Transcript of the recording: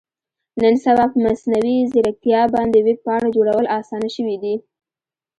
نن سبا په مصنوي ځیرکتیا باندې ویب پاڼه جوړول اسانه شوي دي.